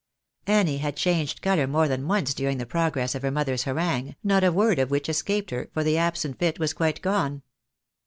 Annie had changed colour more than once during the progress of her mother's harangue, not a word of which escaped her, for the absent fit was quite gone.